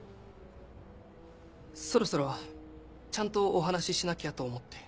そろそろちゃんとお話ししなきゃと思って。